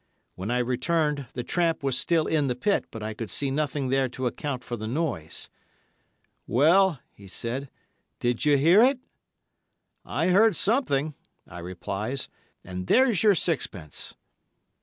When I returned, the tramp was still in the pit, but I could see nothing there to account for the noise. "Well," he said. "Did you hear it?" "I heard something," I replied, "and there's your sixpence."